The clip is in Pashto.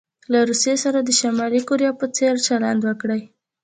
له روسيې سره د شمالي کوریا په څیر چلند وکړي.